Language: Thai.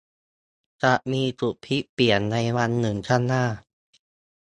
จะมีจุดพลิกเปลี่ยนในวันหนึ่งข้างหน้า